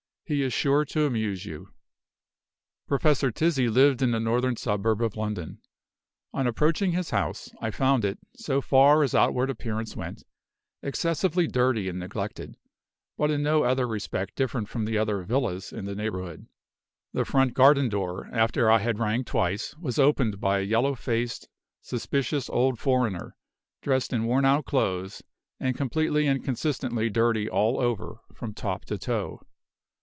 He is sure to amuse you." Professor Tizzi lived in the northern suburb of London. On approaching his house, I found it, so far as outward appearance went, excessively dirty and neglected, but in no other respect different from the "villas" in its neighborhood. The front garden door, after I had rang twice, was opened by a yellow faced, suspicious old foreigner, dressed in worn out clothes, and completely and consistently dirty all over, from top to toe.